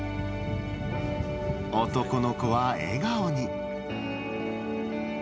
男の子は笑顔に。